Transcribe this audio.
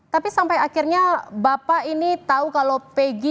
tapi sampai akhirnya bapak ini tahu kalau pegi